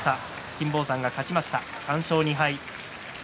金峰山が勝ちました、３勝２敗。